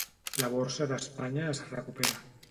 La borsa d'Espanya es recupera.